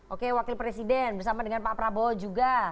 oke wakil presiden bersama dengan pak prabowo juga